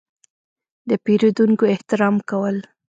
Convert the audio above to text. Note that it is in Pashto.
– د پېرودونکو احترام کول.